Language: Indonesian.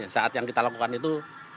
saat yang kita lakukan itu